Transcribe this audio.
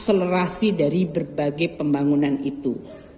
akselerasi dari berbagai pembangunan itu